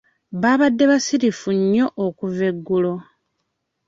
Babadde basirifu nnyo okuva eggulo.